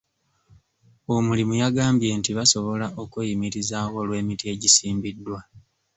Omulimi yagambye nti basobola okweyimirizaawo olw'emiti egisimbiddwa.